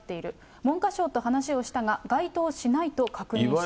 文科省と話をしたが、該当しないと確認した。